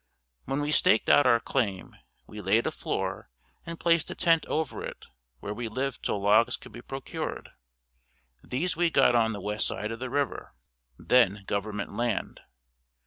When we staked out our claim, we laid a floor and placed a tent over it where we lived till logs could be procured. These we got on the west side of the river, then government land.